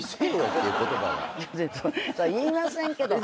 言いませんけど。